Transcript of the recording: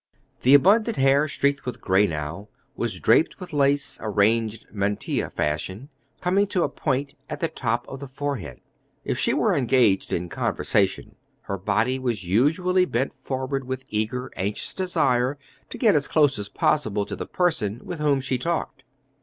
The abundant hair, streaked with gray now, was draped with lace, arranged mantilla fashion, coming to a point at the top of the forehead. If she were engaged in conversation, her body was usually bent forward with eager, anxious desire to get as close as possible to the person with whom she talked.